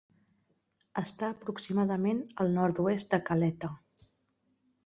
Està aproximadament al Nord-oest de Calheta.